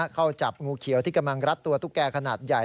เข้าจับงูเขียวที่กำลังรัดตัวตุ๊กแก่ขนาดใหญ่